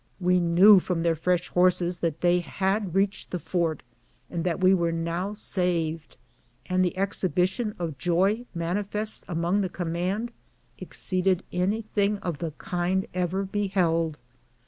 We knew from their fresh horses that they had reached the fort and that we were now saved, and the exhibition of joy manifest among the command exceeded any thing of the. kind ever beheld.